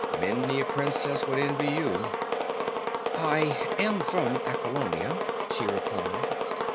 Many a princess would envy you." "I am from Aquilonia," she replied.